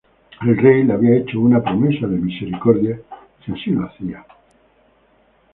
El rey le había hecho una "promesa de misericordia" si así lo hacía.